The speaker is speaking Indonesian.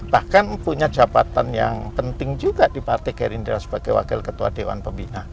bahkan punya jabatan yang penting juga di partai gerindra sebagai wakil ketua dewan pembina